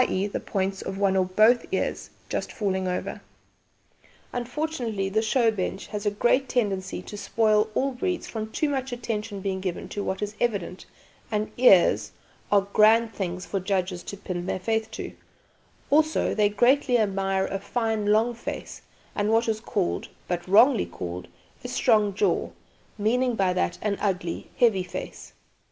e._, the points of one or both ears just falling over. "Unfortunately, the show bench has a great tendency to spoil all breeds from too much attention being given to what is evident and ears are grand things for judges to pin their faith to; also, they greatly admire a fine long face and what is called but wrongly called a strong jaw, meaning by that an ugly, heavy face.